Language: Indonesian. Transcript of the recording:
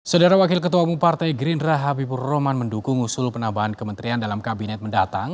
sedara wakil ketua bumpartei gerindra habibur roman mendukung usul penambahan kementerian dalam kabinet mendatang